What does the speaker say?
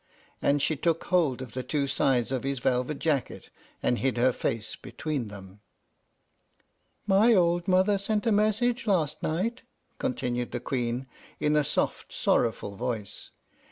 And she took hold of the two sides of his velvet jacket, and hid her face between them. "My old mother sent a message last night," continued the Queen, in a soft, sorrowful voice.